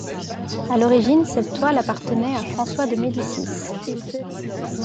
À l'origine, cette toile appartenait à François de Médicis.